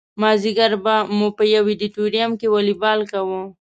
مازدیګر به مو په یو ادیتوریم کې والیبال کاوه.